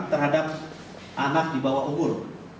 terhadap anak di bawah umur